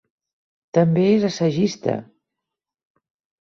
També és assagista.